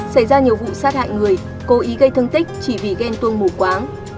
xảy ra nhiều vụ sát hại người cố ý gây thương tích chỉ vì ghen tuông mù quáng